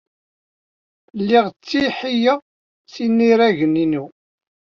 Lliɣ ttihiyeɣ s yinaragen-inu.